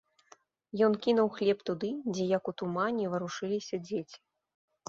Ён кінуў хлеб туды, дзе, як у тумане, варушыліся дзеці.